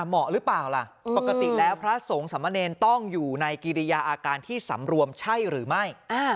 เหมาะหรือเปล่าล่ะปกติแล้วพระสงฆ์สามเนรต้องอยู่ในกิริยาอาการที่สำรวมใช่หรือไม่